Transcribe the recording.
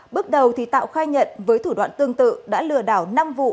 bước đầu tạo khai nhận với thủ đoạn tương tự đã lừa đảo năm vụ